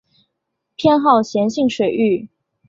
偏好咸性水域。